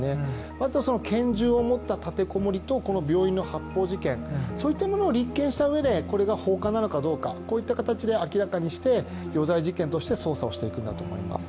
まずは拳銃を持った立てこもりと病院の発砲事件、そういったものを立件したうえでこれが放火なのかどうかこういった形で明らかにして、余罪事件として捜査をしていくんだと思います。